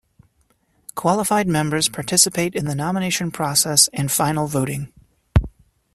Qualified members participate in the nomination process and final voting.